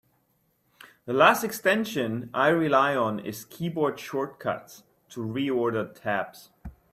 The last extension I rely on is Keyboard Shortcuts to Reorder Tabs.